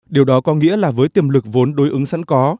điều đó có nghĩa là với tiềm lực vốn đối ứng sẵn có